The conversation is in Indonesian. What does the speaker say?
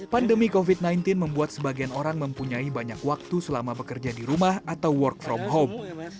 pandemi covid sembilan belas membuat sebagian orang mempunyai banyak waktu selama bekerja di rumah atau work from home